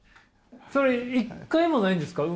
それ一回もないんですか？